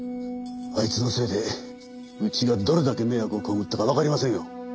あいつのせいでうちがどれだけ迷惑を被ったかわかりませんよ。